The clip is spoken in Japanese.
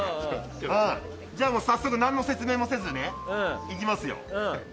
じゃあ、早速何の説明もせずにいきますよ。